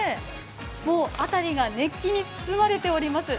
もうあたりが熱気に包まれております。